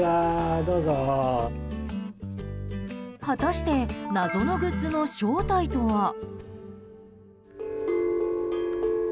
果たして謎のグッズの正体とは。